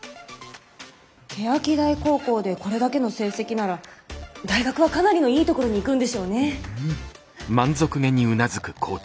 欅台高校でこれだけの成績なら大学はかなりのいいところに行くんでしょうねえ。